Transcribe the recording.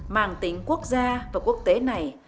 màng tính quốc gia và quốc tế này